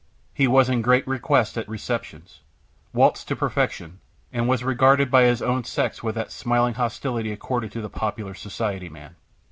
He was in great request at receptions, waltzed to perfection, and was regarded by his own sex with that smiling hostility accorded to the popular society man.